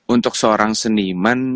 untuk seorang seniman